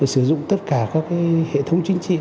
sử dụng tất cả các hệ thống chính trị